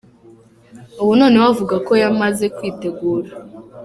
Ubu noneho avuga ko yamaze kwitegura.